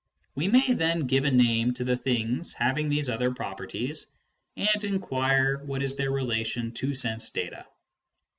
We may then give a name to the things, having these other properties, and inquire what is their relation to sense data.